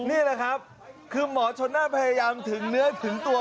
นี่แหละครับคือหมอชนน่าพยายามถึงเนื้อถึงตัว